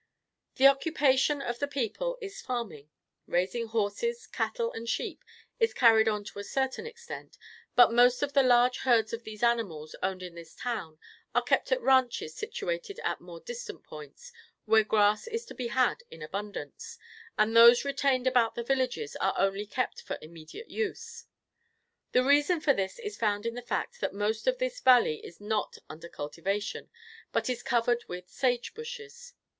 The occupation of the people is farming. Raising horses, cattle and sheep is carried on to a certain extent; but most of the large herds of these animals owned in this town are kept at ranches situated at more distant points, where grass is to be had in abundance, and those retained about the villages are only kept for immediate use. The reason for this is found in the fact that most of this valley is not under cultivation, but is covered with sage bushes.